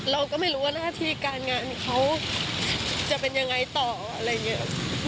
เราก็ไม่รู้ว่าหน้าที่การงานเขาจะเป็นยังไงต่ออะไรอย่างนี้